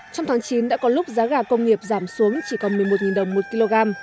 trong tháng chín đã có lúc giá gà công nghiệp giảm xuống chỉ còn một mươi một đồng một kg